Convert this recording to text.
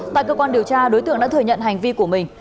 tại cơ quan điều tra đối tượng đã thừa nhận hành vi của mình